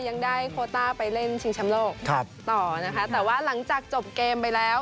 ยังได้โคต้าไปเล่นชิงแชมป์โลกครับต่อนะคะแต่ว่าหลังจากจบเกมไปแล้ว